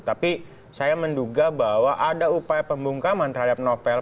tapi saya menduga bahwa ada upaya pembungkaman terhadap novel